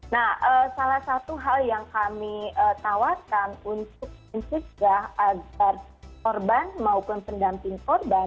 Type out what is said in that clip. nah salah satu hal yang kami tawarkan untuk mencegah agar korban maupun pendamping korban